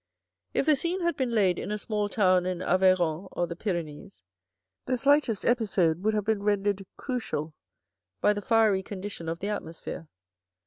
If the scene had been laid in a small town in Aveyron or the Pyrenees, the slightest episode would have been rendered crucial by the fiery condition of the atmosphere.